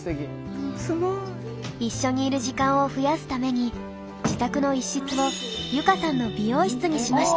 すごい。一緒にいる時間を増やすために自宅の一室を結香さんの美容室にしました。